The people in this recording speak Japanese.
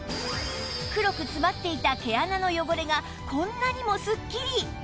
黒く詰まっていた毛穴の汚れがこんなにもすっきり！